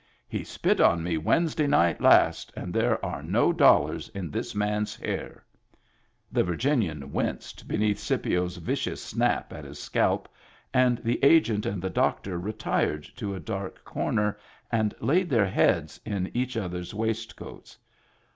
He spit on me Wednesday night last, and there are no dollars in this man's hair." (The Virginian winced beneath Scipio's vicious snatch at his scalp, and the Agent and the doctor retired to a dark comer and laid their heads in each other's waistcoats.)